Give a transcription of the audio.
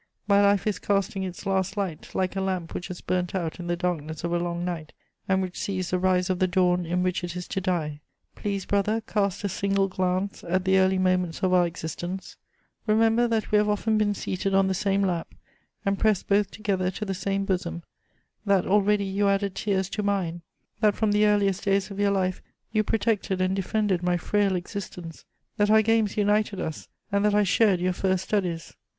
My life is casting its last light, like a lamp which has burnt out in the darkness of a long night, and which sees the rise of the dawn in which it is to die. Please, brother, cast a single glance at the early moments of our existence; remember that we have often been seated on the same lap, and pressed both together to the same bosom; that already you added tears to mine, that from the earliest days of your life you protected and defended my frail existence, that our games united us and that I shared your first studies.